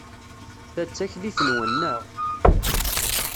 Ta d taklit-nwen, naɣ?